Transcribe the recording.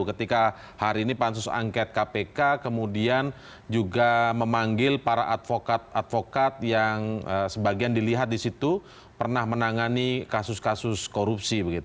ketika hari ini pansus angket kpk kemudian juga memanggil para advokat advokat yang sebagian dilihat di situ pernah menangani kasus kasus korupsi